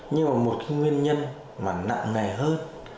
nhưng mà một cái nguyên nhân mà nặng nề hơn